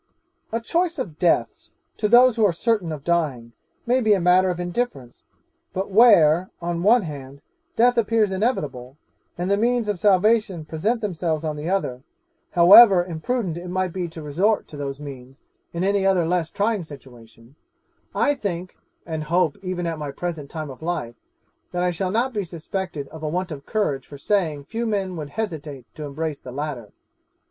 'A choice of deaths to those who are certain of dying may be a matter of indifference; but where, on one hand, death appears inevitable, and the means of salvation present themselves on the other, however imprudent it might be to resort to those means in any other less trying situation, I think (and hope even at my present time of life) that I shall not be suspected of a want of courage for saying, few men would hesitate to embrace the latter.